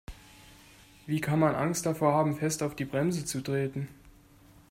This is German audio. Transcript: Wie kann man Angst davor haben, fest auf die Bremse zu treten?